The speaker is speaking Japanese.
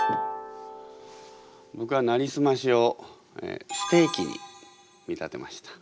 僕は「なりすまし」をステーキに見立てました。